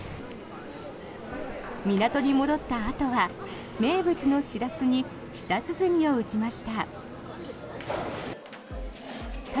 港に戻ったあとは名物のシラスに舌鼓を打ちました。